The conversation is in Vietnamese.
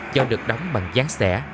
cho được đóng bằng gián xẻ